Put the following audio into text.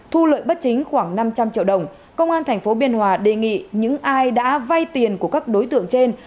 thu lợi bất chính khoảng năm trăm linh triệu đồng công an tp biên hòa đề nghị những ai đã vay tiền của các đối tượng trên